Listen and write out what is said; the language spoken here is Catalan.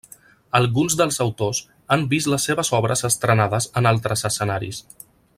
Alguns dels autors han vist les seves obres estrenades en altres escenaris.